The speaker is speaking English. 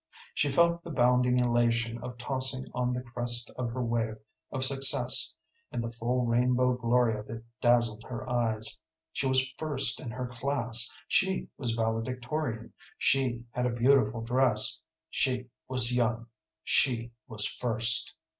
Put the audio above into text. She felt the bounding elation of tossing on the crest of her wave of success, and the full rainbow glory of it dazzled her eyes. She was first in her class, she was valedictorian, she had a beautiful dress, she was young, she was first.